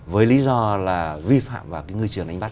với lý do là vi phạm vào cái ngư trường đánh bắt